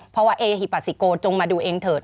เพราะว่าเอหิปาซิโกจงมาดูเองเถิ